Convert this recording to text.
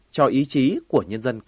cho ý chí của nhân dân